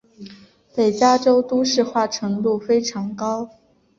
北加州都市化程度非常高。